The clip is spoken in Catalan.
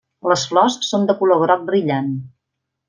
Les flors són de color groc brillant.